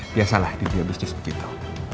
biasalah diri dia bisnis begitu